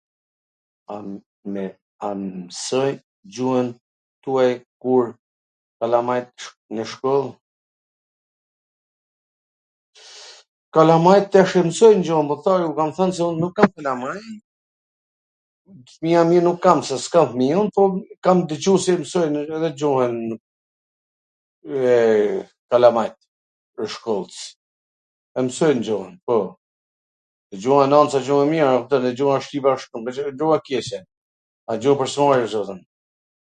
A mwsojn gjuhwn tuaj kalamajt nw shkoll? Kalamajt tash e msojn gjuhwn, po t thoja, un e kam thwn se un nuk kam kalamaj, fmija un nuk kam se s kam fmij un, po kam dwgju se e mwsojn edhe gjuhwn e kalamajt e shkolls, e msojn gjuhwn po, gjuha e nans asht e mir dhe gjuha shqipe nuk asht gjuh e keqe, a gjuh pwr s mbari.